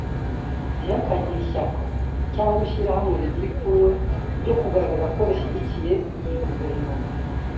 ntihakagire ishyaka cyangwa ishyirahamwe rigira ipfunwe ryo kugaragaza ko rishyigikiye iyi Guverinoma